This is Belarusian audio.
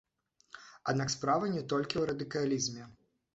Аднак справа не толькі ў радыкалізме.